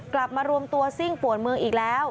กลับมารวมตัวซิ่งป่วนเมืองอีกแล้ว